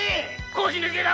腰抜け侍！